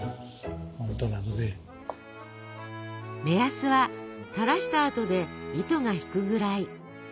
目安はたらした後で糸が引くぐらい。